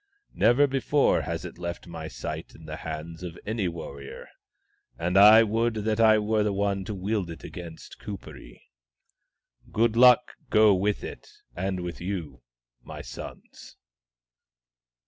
" Never before has it left my sight in the hands of any warrior, and I would that I were the one to wield it against Kuperee. Good luck go with it and with you, my sons